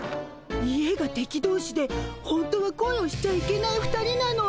家が敵同士で本当は恋をしちゃいけない２人なの。